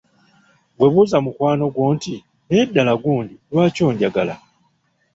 "Ggwe buuza mukwano gwo nti, “ Naye ddala gundi lwaki onjagala ?"""